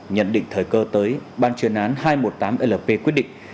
nhận định thời cơ tới ban chuyên án hai trăm một mươi tám lp quyết định